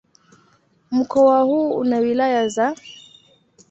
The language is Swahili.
Mkoa huu una wilaya za